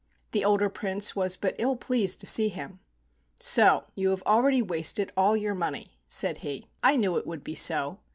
The older Prince was but ill pleased to see him. "So you have already wasted all your money," said he. "I knew it would be so.